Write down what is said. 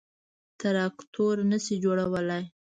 تراکتور نه شي جوړولای.